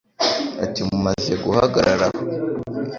Ati Mumaze guhagarara aho